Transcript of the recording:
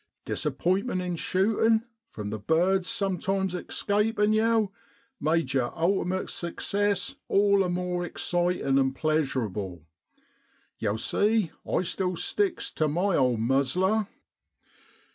Disappointment in shootin', from the bird's some times escapin' yow, made yer ultimate success all the more excitin' an' pleasurable. Yow see, I still sticks to my old muzzier.